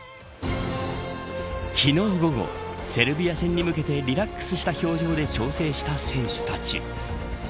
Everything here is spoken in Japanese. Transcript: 昨日午後、セルビア戦に向けてリラックスした表情で調整した選手たち。